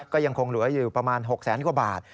ก็ยังคงเหลืออยู่ประมาณ๖แสนกว่าบาท